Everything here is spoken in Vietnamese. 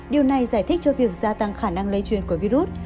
điều này giải thích cho việc gia tăng khả năng lây truyền của virus